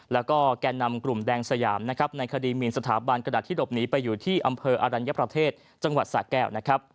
และแก่นำกลุ่มแดงสยามในคดีมีลสถาบันกระดาษที่หลบหนีไปอยู่ที่อำเภออรัญพระเทศจังหวัดสะแก้ว